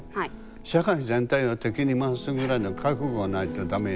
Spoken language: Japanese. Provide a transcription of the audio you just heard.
社会全体を敵に回すぐらいの覚悟がないとダメよ。